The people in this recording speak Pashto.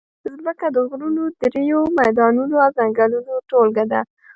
مځکه د غرونو، دریو، میدانونو او ځنګلونو ټولګه ده.